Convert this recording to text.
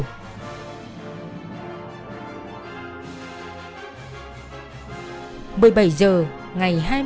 một mươi bảy h ngày hai mươi tám h